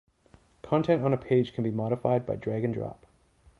Content on a page can be modified by drag and drop.